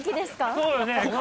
そうだね。